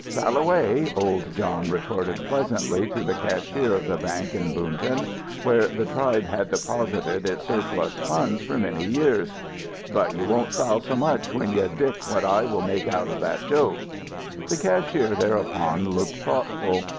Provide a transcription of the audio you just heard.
"Sal away," old John retorted pleasantly to the cashier of the bank in Boonton, where the tube had deposited its surplus funds for many years, "but you won't sal so much when you dik what I will make out of that joke." The cashier thereupon looked thoughtful.